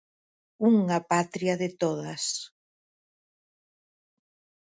Unha Patria de todas.